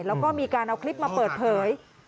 แล้วก็มีการเอาคลิปมาเปิดเผย